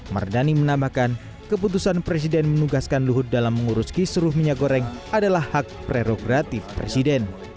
mardani menambahkan keputusan presiden menugaskan luhut dalam mengurus kisruh minyak goreng adalah hak prerogatif presiden